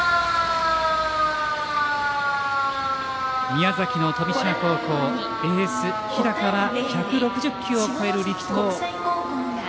宮崎の富島高校エース、日高は１６０球を超える力投。